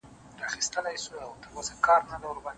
نه یې چاته دروازه وه پرانیستلې